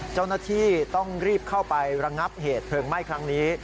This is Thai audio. เจ้าหน้าที่ต้องรีบเข้าไประงับเหตุเพลิงไหม้ครั้งนี้